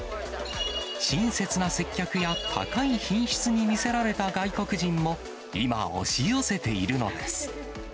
親切な接客や高い品質に魅せられた外国人も今、押し寄せているのです。